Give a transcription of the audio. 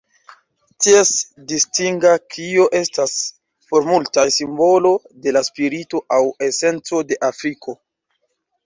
Ties distinga krio estas, por multaj, simbolo de la spirito aŭ esenco de Afriko.